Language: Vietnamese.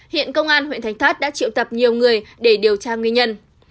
hiện công an huyện thạch thất đã triệu tập nhiều người để điều tra nguyên nhân